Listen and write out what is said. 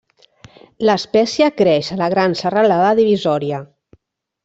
L'espècie creix a la Gran Serralada Divisòria.